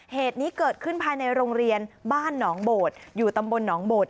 เหตุนี้เกิดขึ้นภายในโรงเรียนบ้านหนองโบดอยู่ตำบลหนองโบด